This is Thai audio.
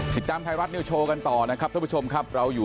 ติดตามไทยรัฐนิวโชว์กันต่อนะครับท่านผู้ชมครับเราอยู่